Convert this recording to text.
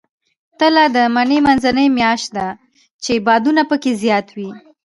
تله د مني منځنۍ میاشت ده، چې بادونه پکې زیات وي.